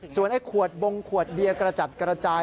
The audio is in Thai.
ส่วนไอ้ขวดบงขวดเบียร์กระจัดกระจาย